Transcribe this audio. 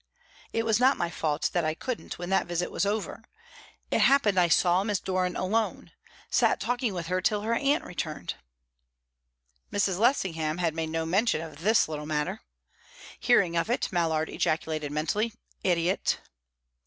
"It was not my fault that I couldn't when that visit was over. It happened that I saw Miss Doran alone sat talking with her till her aunt returned." Mrs. Lessingham had made no mention of this little matter. Hearing of it, Mallard ejaculated mentally, "Idiot!"